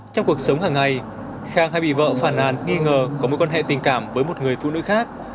trong cuộc sống hàng ngày khang hay bị vợ phản nàn nghi ngờ có mối quan hệ tình cảm với một người phụ nữ khác